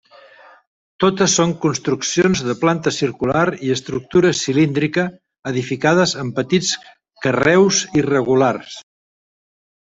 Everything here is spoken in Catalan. Totes són construccions de planta circular i estructura cilíndrica, edificades amb petits carreus irregulars.